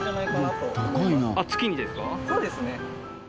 そうですね。